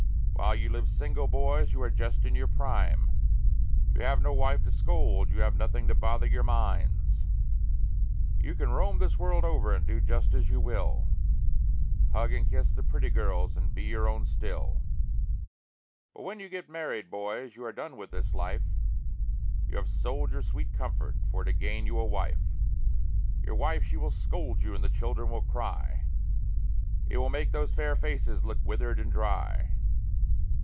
While you live single, boys, you are just in your prime; You have no wife to scold, you have nothing to bother your minds; You can roam this world over and do just as you will, Hug and kiss the pretty girls and be your own still. But when you get married, boys, you are done with this life, You have sold your sweet comfort for to gain you a wife; Your wife she will scold you, and the children will cry, It will make those fair faces look withered and dry.